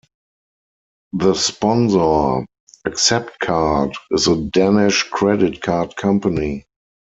The sponsor, Acceptcard, is a Danish credit card company.